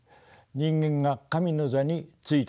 人間が神の座についたのです。